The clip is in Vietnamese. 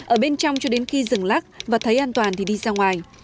ở bên trong cho đến khi dừng lắc và thấy an toàn thì đi ra ngoài